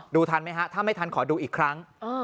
ทันไหมฮะถ้าไม่ทันขอดูอีกครั้ง